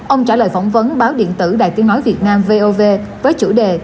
ông trả lời phỏng vấn báo điện tử đài tiếng nói việt nam vov với chủ đề